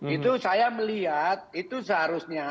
itu saya melihat itu seharusnya